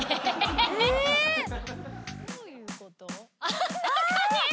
あっ中に？